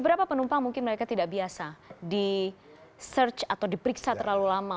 mereka pasti mereka tidak biasa di search atau diperiksa terlalu lama